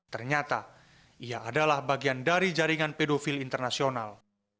ternyata ia adalah bagian dari jaringan pedofil internasional